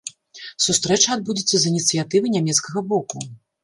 Сустрэча адбудзецца з ініцыятывы нямецкага боку.